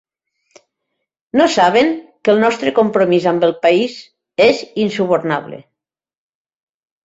No saben que el nostre compromís amb el país és insubornable.